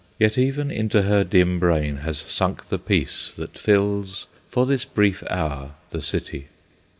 Yet even into her dim brain has sunk the peace that fills for this brief hour the city.